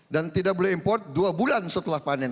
dan tidak boleh import dua bulan setelah panen